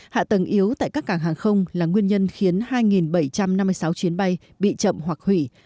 hạ tầng yếu tại các cảng hàng không là nguyên nhân khiến hai bảy trăm năm mươi sáu chuyến bay bị chậm hoặc hủy